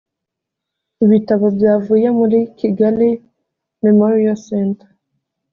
ibitabo byavuye muri kigali memorial centre